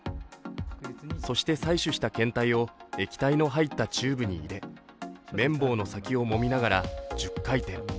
そして、採取した検体を液体の入ったチューブに入れ綿棒の先をもみながら１０回転。